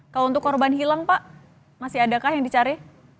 kalau untuk korban hilang pak masih adakah yang dicari